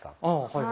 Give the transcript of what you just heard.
はい。